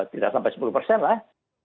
tidak sampai sepuluh persen lah